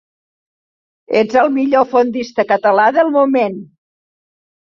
Ets el millor fondista català del moment.